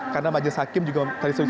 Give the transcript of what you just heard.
karena majelis hakim juga tadi sudah disuruh